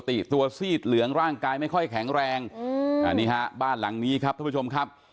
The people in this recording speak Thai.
ตัวซีดเหลืองร่างกายไม่ค่อยแข็งแรงอืมอันนี้ฮะบ้านหลังนี้ครับท่านผู้ชมครับ